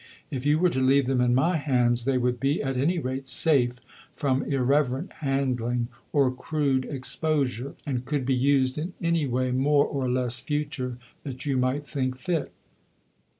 If you were to leave them in my hands, they would be, at any rate, safe from irreverent handling or crude exposure, and could be used in any way more or less future that you might think fit."